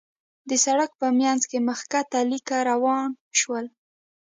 د سړک په مينځ کې مخ کښته ليکه روان شول.